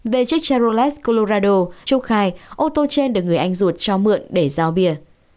về chiếc cherolette colorado trúc khai ô tô trên được người anh ruột cho mượn để giao bia